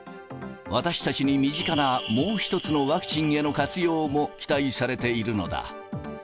私たちに身近なもう一つのワクチンへの活用も期待されているのだ。